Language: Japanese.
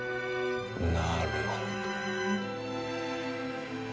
なるほど。